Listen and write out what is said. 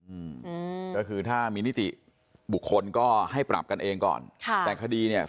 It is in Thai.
อืมก็คือถ้ามีนิติบุคคลก็ให้ปรับกันเองก่อนค่ะแต่คดีเนี้ย